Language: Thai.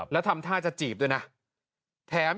แล้วทำท่าจะจีบด้วยนะ